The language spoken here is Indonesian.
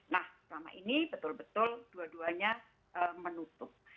nah selama ini betul betul dua duanya menutup